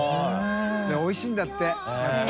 おいしいんだってやっぱ。